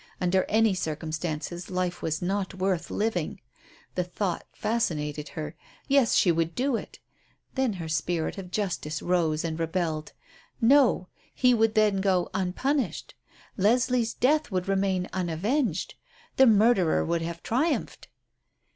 Under any circumstances life was not worth living. The thought fascinated her. Yes, she would do it. Then her spirit of justice rose and rebelled. No. He would then go unpunished. Leslie's death would remain unavenged. The murderer would have triumphed.